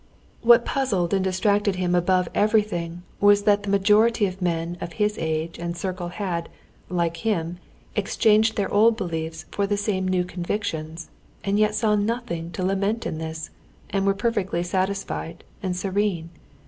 What puzzled and distracted him above everything was that the majority of men of his age and circle had, like him, exchanged their old beliefs for the same new convictions, and yet saw nothing to lament in this, and were perfectly satisfied and serene.